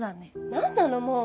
何なのもう！